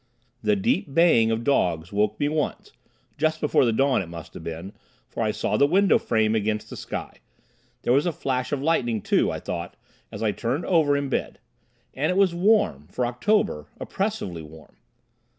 The deep baying of dogs woke me once, just before the dawn, it must have been, for I saw the window frame against the sky; there was a flash of lightning, too, I thought, as I turned over in bed. And it was warm, for October oppressively warm.